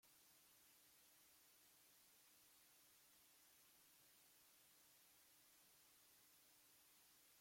Su hábitat son los bosques secos montanos y de matorral montanos tropicales.